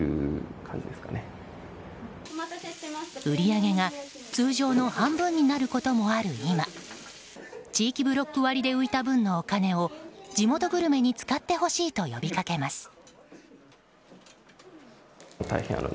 売り上げが通常の半分になることもある今地域ブロック割で浮いた分のお金を地元グルメに使ってほしいと呼びかけます。